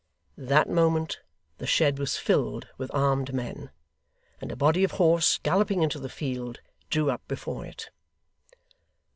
That moment, the shed was filled with armed men; and a body of horse, galloping into the field, drew up before it.